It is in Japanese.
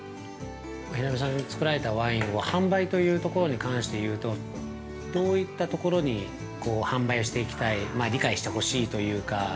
◆平山さんのつくられたワインは販売というところに関して言うとどういったところに販売をしていきたい理解してほしいというか。